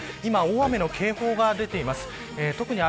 今、大雨の警報が出ています。